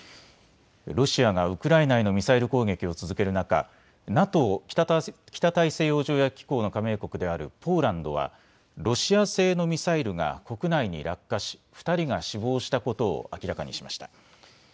ロシアがウクライナへのミサイル攻撃を続ける中、ＮＡＴＯ・北大西洋条約機構の加盟国であるポーランドはロシア製のミサイルが国内に落下し２人が死亡したことを明らかにしました。